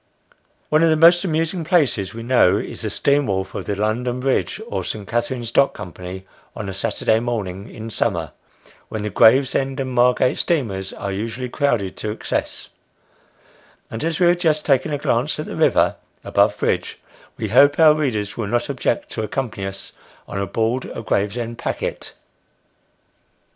One of the most amusing places we know, is the steam wharf of the London Bridge, or St. Katharine's Dock Company, on a Saturday morning in summer, when the Gravesend and Margate steamers are usually crowded to excess ; and as we have just taken a glance at the river above bridge, we hope our readers will not object to accompany us on board a Gravesend packet.